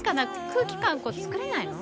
空気感こう作れないの？